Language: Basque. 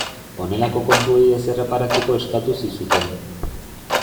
Honelako kontuei ez erreparatzeko eskatu zizuten.